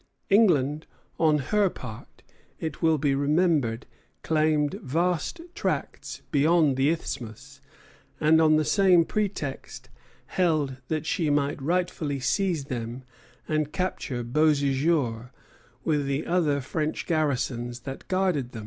England, on her part, it will be remembered, claimed vast tracts beyond the isthmus; and, on the same pretext, held that she might rightfully seize them and capture Beauséjour, with the other French garrisons that guarded them.